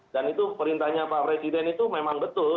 dan itu perintahnya pak presiden itu memang betul